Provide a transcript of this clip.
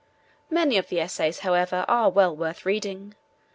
Many of the essays, however, are well worth reading.